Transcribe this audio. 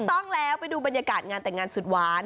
ต้องแล้วไปดูบรรยากาศงานแต่งงานสุดหวาน